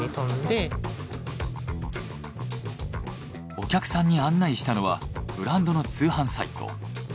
お客さんに案内したのはブランドの通販サイト。